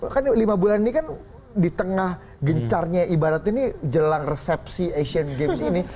kan lima bulan ini kan di tengah gencarnya ibarat ini jelang resepsi asian games ini